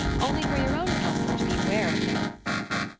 Only for your own comfort beware of him!"